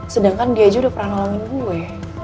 sedangkan dia aja udah pernah nolongin gue ya